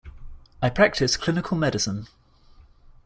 I practice clinical medicine.